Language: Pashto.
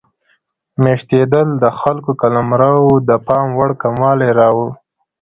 میشتېدل د خلکو قلمرو د پام وړ کموالی راوړ.